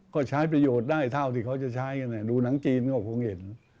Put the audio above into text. ก็ใช้ประโยชน์ได้เท่าที่เขาจะใช้กันดูหนังจีนก็คงเห็น